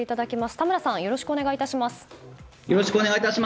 田村さんよろしくお願いいたします。